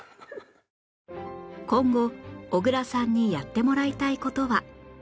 今後小倉さんにやってもらいたい事は？